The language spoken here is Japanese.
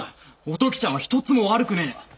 お時ちゃんは一つも悪くねえ。